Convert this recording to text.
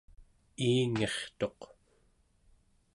iingi'rtuq